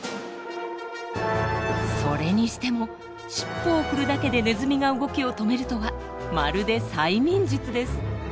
それにしても尻尾を振るだけでネズミが動きを止めるとはまるで催眠術です。